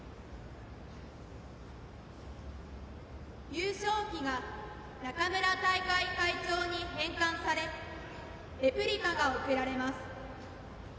優勝旗が中村大会会長に返還され、レプリカが贈られます。